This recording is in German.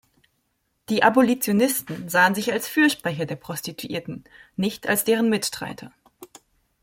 Die Abolitionisten sahen sich als Fürsprecher der Prostituierten, nicht als deren Mitstreiter.